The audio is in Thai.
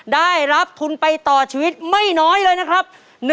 ได้รับทุนไปต่อชีวิตไม่น้อยเลยนะครับ